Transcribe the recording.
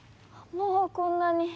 もうこんなに。